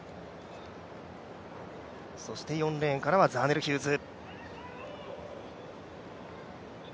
そして４レーンからはザーネル・ヒューズ。